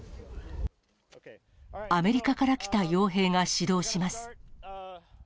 アメリカから来たよう兵が指導します。